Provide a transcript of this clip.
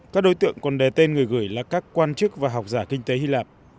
các đối tượng còn đé tên người gửi là các quan chức và học giả kinh tế hy lạp